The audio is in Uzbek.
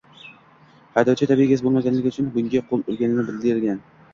Haydovchi tabiiy gaz bo‘lmagani uchun bunga qo‘l urganini bildirgan